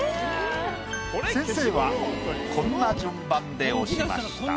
先生はこんな順番で押しました。